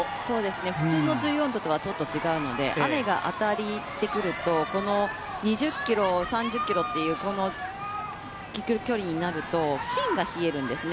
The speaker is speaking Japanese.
普通の１４度と違うので、この雨が当たりということになるとこの２０ｋｍ、３０ｋｍという距離になると芯が冷えるんですね。